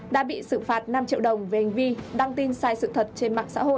đã bị xử phạt năm triệu đồng về hành vi đăng tin sai sự thật trên mạng xã hội